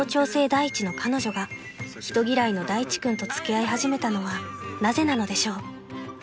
第一の彼女が人嫌いの大地君と付き合い始めたのはなぜなのでしょう？］